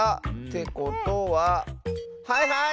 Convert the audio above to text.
てことははいはい！